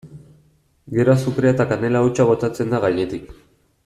Gero azukrea eta kanela hautsa botatzen da gainetik.